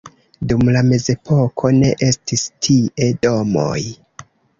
Dum la mezepoko ne estis tie domoj.